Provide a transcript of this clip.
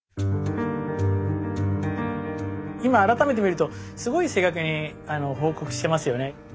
今改めて見るとすごい正確に報告してますよね。